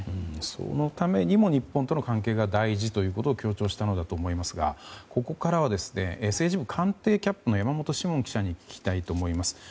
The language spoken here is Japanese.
そのためにも日本との関係が大事ということを強調したのだと思いますがここからは政治部官邸キャップの山本志門記者に聞きたいと思います。